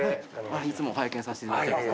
いつも拝見させていただいてます。